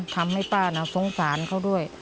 ทำให้ป้าน่ะสงสารเขาด้วย